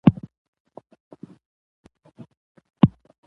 ډيپلوماسي د جګړې پر ځای د تفاهم لاره ده.